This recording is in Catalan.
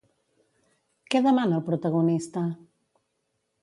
Què demana el protagonista?